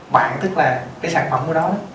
bạn tức là cái sản phẩm của nó